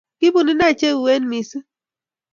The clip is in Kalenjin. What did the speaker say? Kibun inee chewien missing